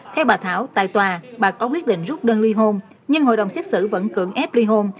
theo bà thảo tại tòa bà có quyết định rút đơn ly hôn nhưng hội đồng xét xử vẫn cưỡng ép ly hôn